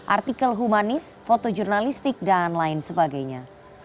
artikel humanis foto jurnalistik dan lain sebagainya